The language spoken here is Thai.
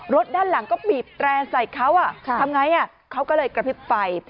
ด้านหลังก็บีบแตร่ใส่เขาทำไงเขาก็เลยกระพริบไฟ